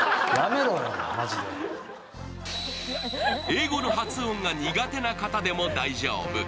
英語の発音が苦手な方でも大丈夫。